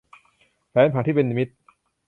แผนผังที่เป็นมิตร